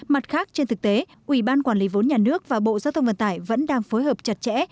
mặt khác trên thực tế ủy ban quản lý vốn nhà nước và bộ giao thông vận tải vẫn đang phối hợp chặt chẽ